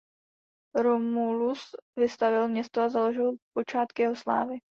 Romulus vystavěl město a založil počátky jeho slávy.